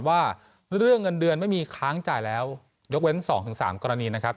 ว่าเรื่องเงินเดือนไม่มีค้างจ่ายแล้วยกเว้น๒๓กรณีนะครับ